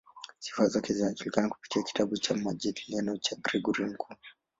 Sifa zake zinajulikana kupitia kitabu cha "Majadiliano" cha Gregori Mkuu.